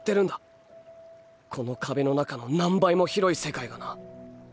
この壁の中の何倍も広い世界がな。